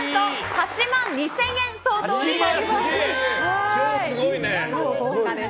８万２０００円相当になります。